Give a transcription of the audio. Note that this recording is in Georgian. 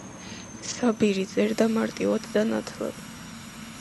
საბირი წერდა მარტივად და ნათლად.